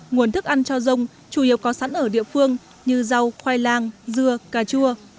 nguồn thức ăn cho dông chủ yếu có sẵn ở địa phương như rau khoai lang dưa cà chua